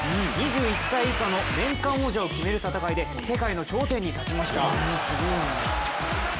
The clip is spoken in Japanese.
２１歳以下の年間王者を決める戦いで、世界の頂点に立ちました。